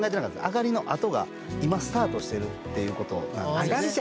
あがりのあとが今スタートしてるっていうことなんです。